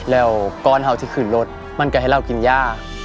แล้วก้อนเห่าที่ขึ้นรถมันก็ให้เรากินย่า